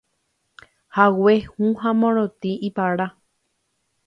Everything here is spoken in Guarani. Hague hũ ha morotĩ, ipara.